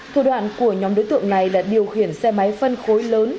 thủ đoạn của nhóm đối tượng này là điều khiển xe máy phân khối lớn